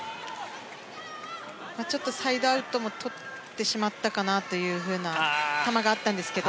ちょっとサイドアウトも取ってしまったかなという球があったんですけど。